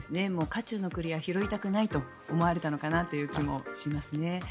火中の栗は拾いたくないと思われたのかなという気もしますね。